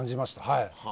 はい。